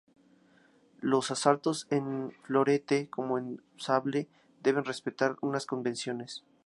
Los asaltos en florete, como en sable, deben respetar unas convenciones.